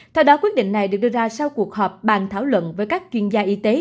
theo đó quyết định này được đưa ra sau cuộc họp bàn thảo luận với các chuyên gia y tế